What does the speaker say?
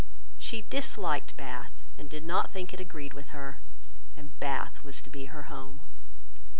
She disliked Bath, and did not think it agreed with her; and Bath was to be her home.